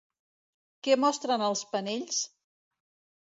Què mostren els panells?